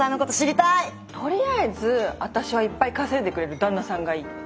とりあえず私はいっぱい稼いでくれる旦那さんがいい。